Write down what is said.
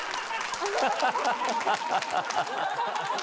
ハハハハ！